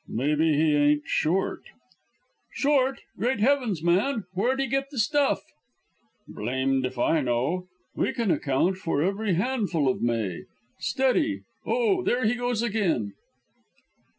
"Maybe he ain't short." "Short! Great heavens, man; where'd he get the stuff?" "Blamed if I know. We can account for every handful of May. Steady! Oh, there he goes again."